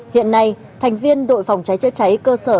hiện nay thành viên đội phòng cháy chữa cháy cơ sở